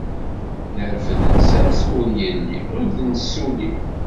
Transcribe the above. Nerfed nsers ur yelli i d-nessuli.